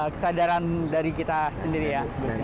kesadaran dari kita sendiri ya